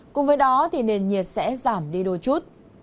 cùng với đó thì nền nhiệt sẽ giảm đi đôi chút